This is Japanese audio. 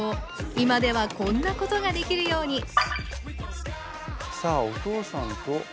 今ではこんなことができるようにさあお父さんと。